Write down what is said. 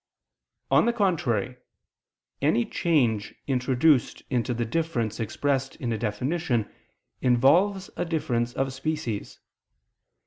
On the contrary, Any change introduced into the difference expressed in a definition involves a difference of species.